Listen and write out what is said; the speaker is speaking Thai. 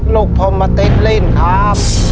ลูกผมมาติดเล่นครับ